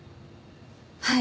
はい。